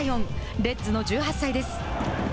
レッズの１８歳です。